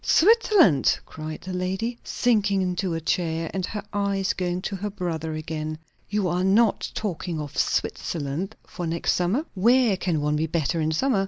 "Switzerland!" cried the lady, sinking into a chair, and her eyes going to her brother again. "You are not talking of Switzerland for next summer?" "Where can one be better in summer?"